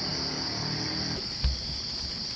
สวัสดีครับทุกคน